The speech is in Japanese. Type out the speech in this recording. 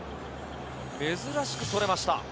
珍しく、それました。